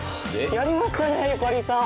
やりましたねゆかりさん！